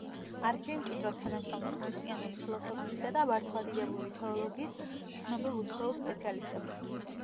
არქივი მჭიდროდ თანამშრომლობს ქრისტიანული ფილოსოფიისა და მართლმადიდებლური თეოლოგიის ცნობილ უცხოელ სპეციალისტებთან.